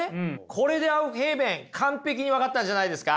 これでアウフヘーベン完璧に分かったんじゃないですか？